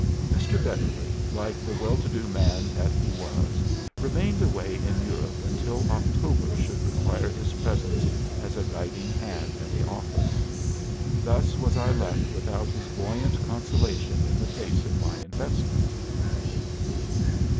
Mr. Beverly, like the well to do man that he was, remained away in Europe until October should require his presence as a guiding hand in the office. Thus was I left without his buoyant consolation in the face of my investments."